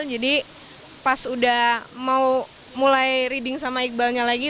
jadi pas udah mau mulai reading sama iqbalnya lagi